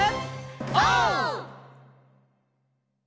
オー！